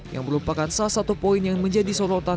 yang merupakan salah satu poin yang menjadi sorotan